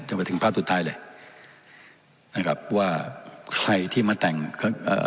มาถึงภาพสุดท้ายเลยนะครับว่าใครที่มาแต่งเอ่อ